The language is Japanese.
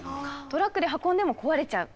トラックで運んでも壊れちゃう。